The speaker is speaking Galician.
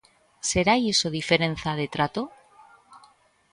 ¿Será iso diferenza de trato?